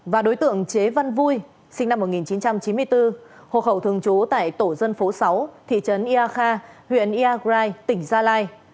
và đối tượng chế văn vui sinh năm một nghìn chín trăm chín mươi bốn hộ khẩu thường trú tại tổ dân phố sáu thị trấn ia kha huyện iagrai tỉnh gia lai